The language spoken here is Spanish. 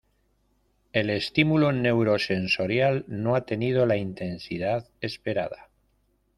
El estímulo neurosensorial no ha tenido la intensidad esperada.